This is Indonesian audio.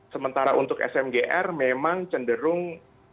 sementara untuk smgr memang cenderung